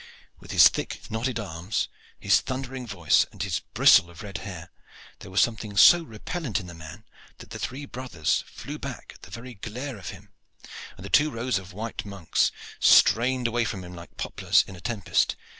With his thick knotted arms, his thundering voice, and his bristle of red hair, there was something so repellent in the man that the three brothers flew back at the very glare of him; and the two rows of white monks strained away from him like poplars in a tempest.